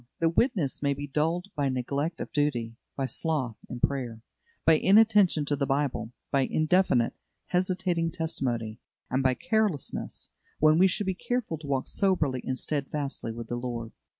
The witness may be dulled by neglect of duty, by sloth in prayer, by inattention to the Bible, by indefinite, hesitating testimony, and by carelessness, when we should be careful to walk soberly and steadfastly with the Lord.